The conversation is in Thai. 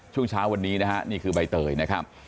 ช่วงเช้าวันนี้นะฮะนี่คือใบเตยนะครับ